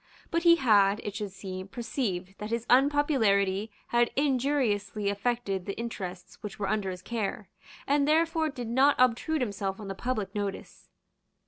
But he had, it should seem, perceived that his unpopularity had injuriously affected the interests which were under his care, and therefore did not obtrude himself on the public notice.